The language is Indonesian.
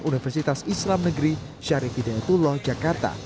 universitas islam negeri syarif hidayatullah jakarta